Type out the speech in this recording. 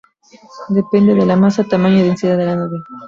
Depende de la masa, tamaño y densidad de la nube.